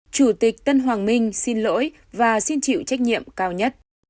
chủ tịch tân hoàng minh xin lỗi và xin chịu trách nhiệm cao nhất